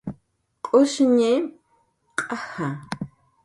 Q'ushñi, q'aja